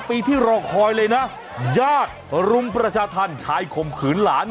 ปีที่รอคอยเลยนะญาติรุมประชาธรรมชายข่มขืนหลาน